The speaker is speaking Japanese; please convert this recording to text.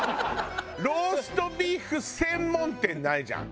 ローストビーフ専門店ないじゃん。